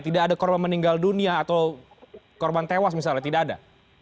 tidak ada korban meninggal dunia atau korban tewas misalnya tidak ada